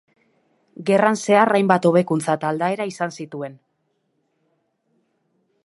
Gerran zehar hainbat hobekuntza eta aldaera izan zituen.